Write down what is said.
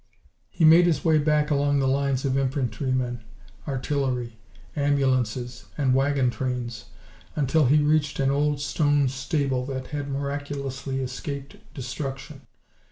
He made his way back along the lines of infantrymen, artillery, ambulances and wagon trains until he reached an old stone stable that had miraculously escaped destruction.